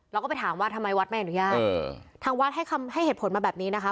เราก็ไปถามว่าทำไมวัดไม่อนุญาตทางวัดให้คำให้เหตุผลมาแบบนี้นะคะ